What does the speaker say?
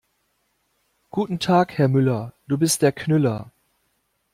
Guten Tag Herr Müller, du bist der Knüller.